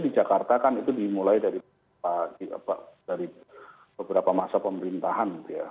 di jakarta kan itu dimulai dari beberapa masa pemerintahan